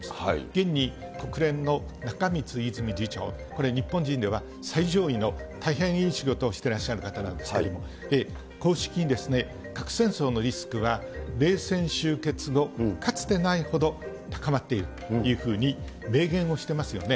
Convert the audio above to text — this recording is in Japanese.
現に、国連の中満泉次長、これ、日本人では最上位の大変いい仕事をしてらっしゃる方なんですけれども、公式にですね、核戦争のリスクは、冷戦終結後、かつてないほど、高まっているというふうに明言をしてますよね。